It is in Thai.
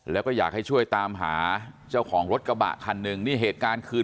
แล้วก็อยากให้ช่วยตามหาเจ้าของรถกระบะคันหนึ่งนี่เหตุการณ์คืน